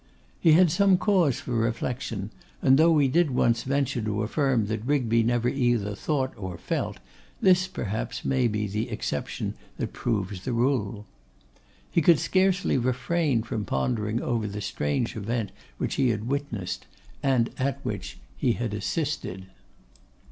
He had some cause for reflection, and though we did once venture to affirm that Rigby never either thought or felt, this perhaps may be the exception that proves the rule. He could scarcely refrain from pondering over the strange event which he had witnessed, and at which he had assisted.